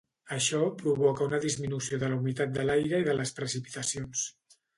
Això provoca una disminució de la humitat de l'aire i de les precipitacions.